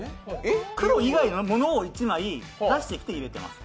黒以外のものを１枚出してきて入れてます。